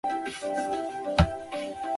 世界开始恢复和平。